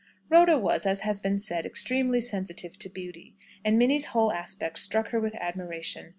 Rhoda was, as has been said, extremely sensitive to beauty, and Minnie's whole aspect struck her with admiration.